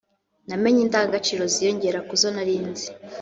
namenye indangagaciro ziyongera kuzo narinzi